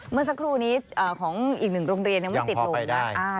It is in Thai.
เมื่อสักครู่นี้ของอีกหนึ่งโรงเรียนยังไม่ติดลมนะ